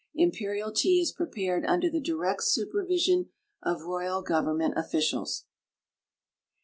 Imperial tea is prepared under the direct supervision of royal government officials.